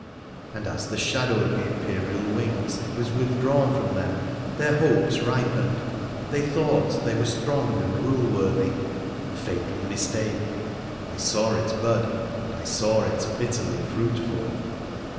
And as the shadow of the Imperial wings was withdrawn from them their hopes ripened ; they thought they were strong and ruleworthy. Fatal mistake ! I saw it bud, and I saw it bitterly fruitful